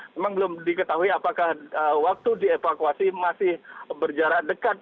memang belum diketahui apakah waktu dievakuasi masih berjarak dekat